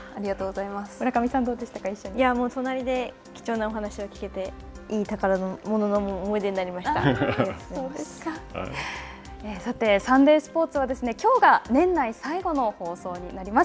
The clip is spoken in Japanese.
村上さん、どうでしたかもう隣で貴重なお話を聞けてさて、サンデースポーツはきょうが年内最後の放送です。